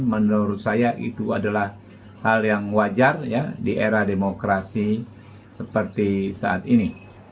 menurut saya itu adalah hal yang wajar di era demokrasi seperti saat ini